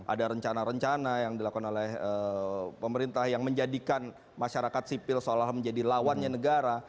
ada rencana rencana yang dilakukan oleh pemerintah yang menjadikan masyarakat sipil seolah menjadi lawannya negara